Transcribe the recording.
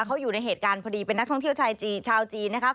เขาอยู่ในเหตุการณ์พอดีเป็นนักท่องเที่ยวชายจีนชาวจีนนะคะ